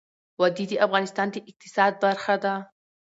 وادي د افغانستان د اقتصاد برخه ده.